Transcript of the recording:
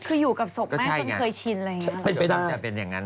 คืออยู่กับศพแม่จนเคยชินอะไรอย่างนั้น